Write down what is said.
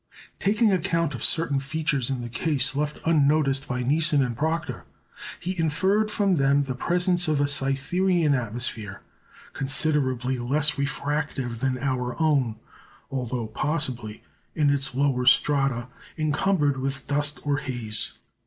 Taking account of certain features in the case left unnoticed by Neison and Proctor, he inferred from them the presence of a Cytherean atmosphere considerably less refractive than our own, although possibly, in its lower strata, encumbered with dust or haze.